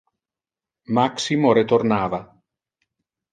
Maximo retornava.